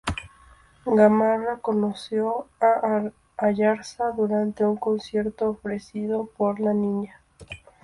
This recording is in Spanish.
Gamarra conoció a Ayarza durante un concierto ofrecido por la niña.